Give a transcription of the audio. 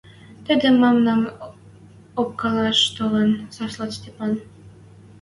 — Тӹдӹ мӓмнӓм ӧпкӓлӓш толын! — сасла Стапан.